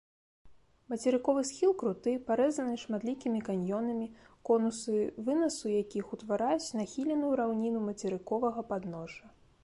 Мацерыковы схіл круты, парэзаны шматлікімі каньёнамі, конусы вынасу якіх утвараюць нахіленую раўніну мацерыковага падножжа.